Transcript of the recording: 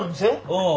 ああ。